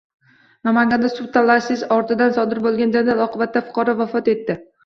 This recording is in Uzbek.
Namanganda suv talashish ortidan sodir bo‘lgan janjal oqibatida fuqaro vafot etdi